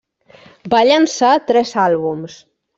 Va llançar tres àlbums.